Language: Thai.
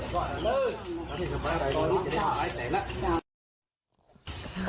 เฮีย